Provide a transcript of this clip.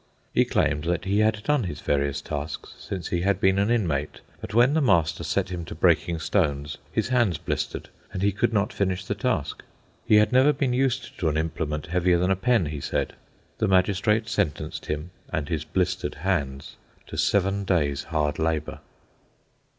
He claimed that he had done his various tasks since he had been an inmate; but when the master set him to breaking stones, his hands blistered, and he could not finish the task. He had never been used to an implement heavier than a pen, he said. The magistrate sentenced him and his blistered hands to seven days' hard labour.